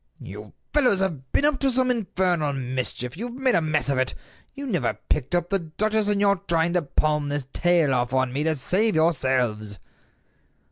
"You fellows have been up to some infernal mischief. You have made a mess of it. You never picked up the duchess, and you're trying to palm this tale off on me to save yourselves."